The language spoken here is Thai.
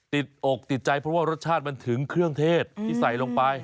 ติดอกติดใจเพราะว่ารสชาติมันถึงเครื่องเทศที่ใส่ลงไป